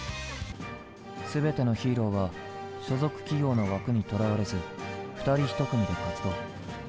全てのヒーローは所属企業の枠にとらわれず２人１組で活動。